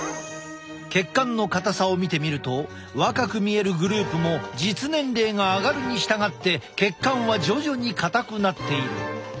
血管の硬さを見てみると若く見えるグループも実年齢が上がるに従って血管は徐々に硬くなっている。